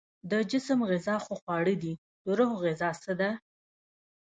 د جسم غذا خو خواړه دي، د روح غذا څه ده؟